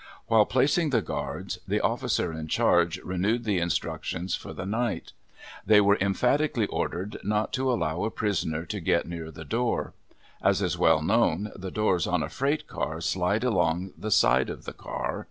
While placing the guards the officer in charge renewed the instructions for the night. They were emphatically ordered not to allow a prisoner to get near the door. As is well known, the doors on a freight car slide along the side of the car.